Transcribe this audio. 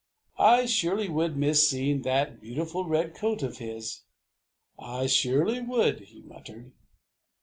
"I surely would miss seeing that beautiful red coat of his! I surely would!" he muttered.